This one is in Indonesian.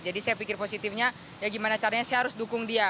dan positifnya ya gimana caranya saya harus dukung dia